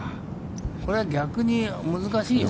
これは逆に難しいよ。